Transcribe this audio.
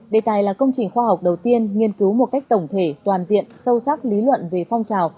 đề tài là công trình khoa học đầu tiên nghiên cứu một cách tổng thể toàn diện sâu sắc lý luận về phong trào